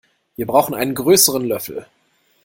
Wir brauchen einen größeren Löffel.